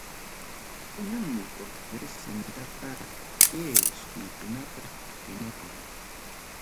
Kunanmi portugués simitaqa, kay suyukunapim rimakun.